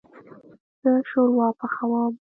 زه شوروا پخوم